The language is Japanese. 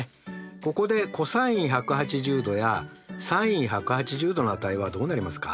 ここでｃｏｓ１８０°やｓｉｎ１８０°の値はどうなりますか？